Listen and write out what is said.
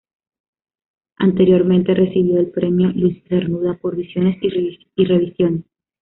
Anteriormente recibió el premio Luis Cernuda por "Visiones y revisiones".